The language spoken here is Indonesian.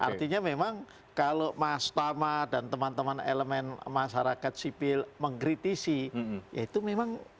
artinya memang kalau mas tama dan teman teman elemen masyarakat sipil mengkritisi ya itu memang